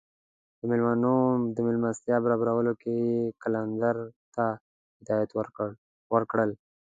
د میلمنو د میلمستیا برابرولو کې یې قلندر ته هدایات ورکړل.